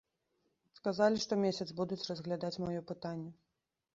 Сказалі, што месяц будуць разглядаць маё пытанне.